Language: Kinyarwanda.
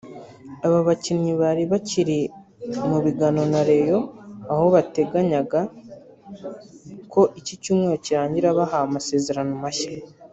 Aba bakinnyi bari bakiri mu biganiro na Rayon aho bateganyaga ko iki cyumweru kirangira bahawe amasezerano mashya